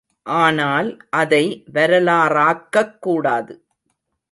ஆனால் அதை வரலாறாக்கக் கூடாது.